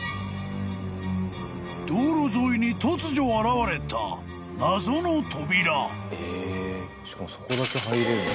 ［道路沿いに突如現れた謎の扉］